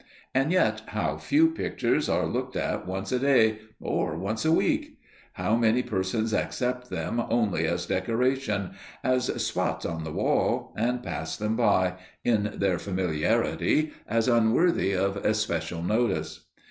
And yet how few pictures are looked at once a day, or once a week. How many persons accept them only as decoration, as spots on the wall, and pass them by, in their familiarity, as unworthy of especial notice!